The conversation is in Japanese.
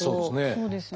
そうですね。